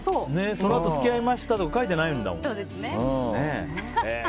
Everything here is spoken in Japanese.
そのあと付き合いましたが書いてないんだもん。